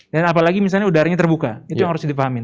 dan apalagi misalnya udaranya terbuka itu yang harus dipahamin